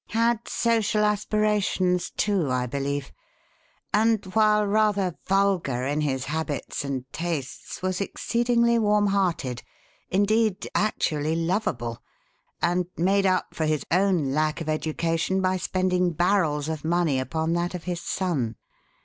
Had social aspirations, too, I believe; and, while rather vulgar in his habits and tastes, was exceedingly warm hearted indeed, actually lovable and made up for his own lack of education by spending barrels of money upon that of his son.